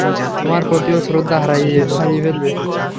তোমার প্রতি ও শ্রদ্ধা হারিয়ে ফেলবে।